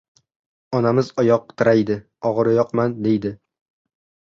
Onamiz oyoq tiraydi, og‘iroyoqman, deydi.